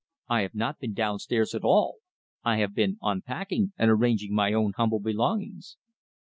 I have not been downstairs at all. I have been unpacking and arranging my own humble belongings."